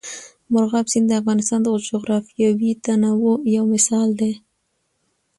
مورغاب سیند د افغانستان د جغرافیوي تنوع یو مثال دی.